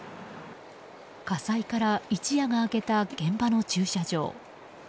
火災から一夜が明けた現場の駐車場。